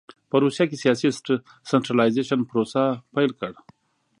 په روسیه کې سیاسي سنټرالایزېشن پروسه پیل کړ.